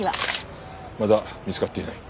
まだ見つかっていない。